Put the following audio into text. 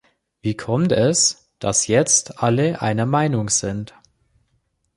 Wie kommt es, dass jetzt alle einer Meinung sind?